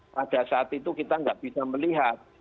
pada saat itu kita nggak bisa melihat